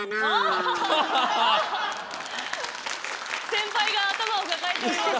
先輩が頭を抱えております。